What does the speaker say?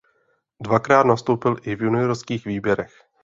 Dvakrát nastoupil i v juniorských výběrech.